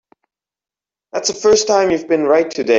That's the first time you've been right today.